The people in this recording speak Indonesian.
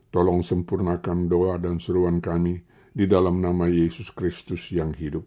tolong sempurnakan doa dan seruan kami di dalam nama yesus kristus yang hidup